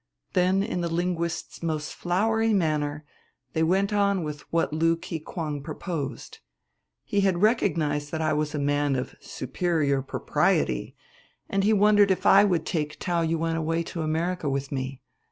"Then, in the linguist's most flowery manner, they went on with what Lú Kikwáng proposed. He had recognized that I was a man of 'superior propriety' and he wondered if I would take Taou Yuen away to America with me.